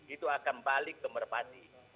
itu akan balik ke merpati